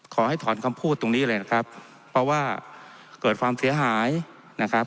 ขอให้ถอนคำพูดตรงนี้เลยนะครับเพราะว่าเกิดความเสียหายนะครับ